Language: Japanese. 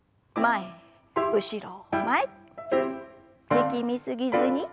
力み過ぎずに。